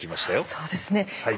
そうですね。